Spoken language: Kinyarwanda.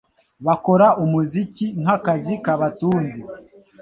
bakora umuziki nk'akazi kabatunze